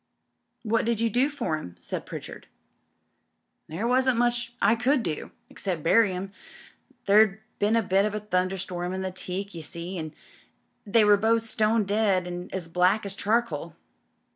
"What did you do for 'em?" said Pritchard. "There wasn't much I could do, except bury 'em. There'd been a bit of a thunderstorm in the teak, you see, and they were both stone dead and as black as charcoal.